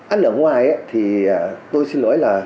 ăn ở ngoài thì tôi xin lỗi là